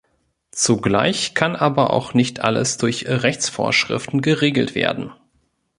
Zugleich kann aber auch nicht alles durch Rechtsvorschriften geregelt werden.